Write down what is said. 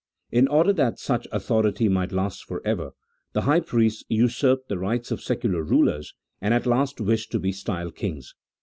In order that such authority might last for ever, the high priests usurped the rights of secular rulers, and at last wished to be styled kings.